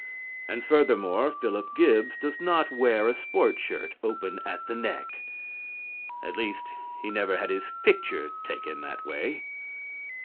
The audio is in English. And, furthermore, Philip Gibbs does not wear a sport shirt open at the neck. At least, he never had his picture taken that way.